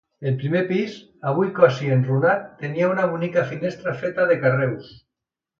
El primer pis, avui quasi enrunat, tenia una bonica finestra feta de carreus.